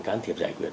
can thiệp giải quyết